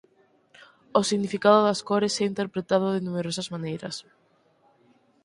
O significado das cores é interpretado de numerosas maneiras.